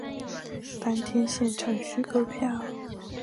当天现场须购票